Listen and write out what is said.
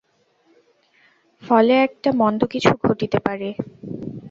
ফলে একটা মন্দ কিছু ঘটিতে পারে।